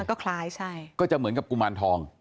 ก็คล้ายใช่ก็จะเหมือนกับกุมารทอง